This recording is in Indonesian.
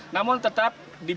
namun tetap dibuat